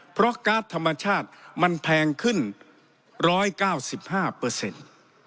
เพราะการ์ดธรรมชาติมันแพงขึ้นร้อยเก้าสิบห้าเปอร์เซ็นต์